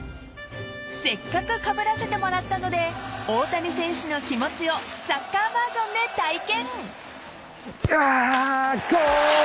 ［せっかくかぶらせてもらったので大谷選手の気持ちをサッカーバージョンで体験］